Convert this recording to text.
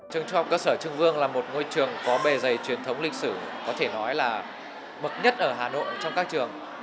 trường trung học cơ sở trương vương là một ngôi trường có bề dày truyền thống lịch sử có thể nói là bậc nhất ở hà nội trong các trường